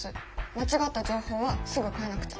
間違った情報はすぐ変えなくちゃ。